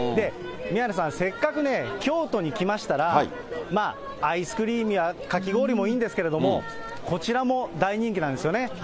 宮根さん、せっかくね、京都に来ましたら、まあアイスクリームやかき氷もいいんですけど、こちらも大人気なんですよね。